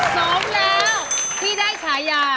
สองแล้วพี่ได้ฉายา